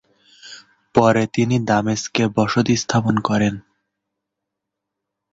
পরে তিনি দামেস্কে বসতি স্থাপন করেন।